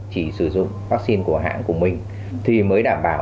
chỉ sử dụng vaccine của hãng của mình thì mới đảm bảo